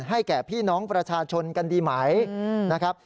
แก่พี่น้องประชาชนกันดีไหมนะครับ